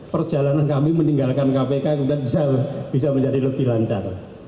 perjalanan kami meninggalkan kpk bisa menjadi lebih lancar